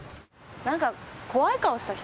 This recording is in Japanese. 何か怖い顔した人。